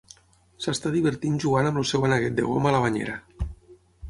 S'està divertint jugant amb el seu aneguet de goma a la banyera